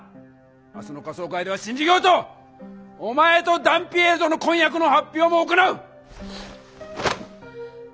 明日の仮装会では新事業とお前とダンピエール殿の婚約の発表も行う！